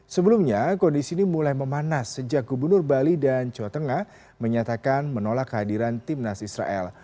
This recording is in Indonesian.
sebelumnya kondisi ini mulai memanas sejak gubernur bali dan jawa tengah menyatakan menolak kehadiran timnas israel